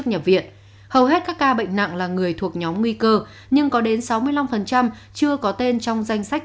nhập viện hầu hết các ca bệnh nặng là người thuộc nhóm nguy cơ nhưng có đến sáu mươi năm chưa có tên trong danh sách